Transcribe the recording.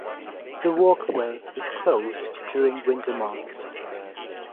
The walkway is closed during winter months.